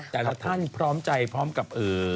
แต่ละท่านพร้อมใจพร้อมกับ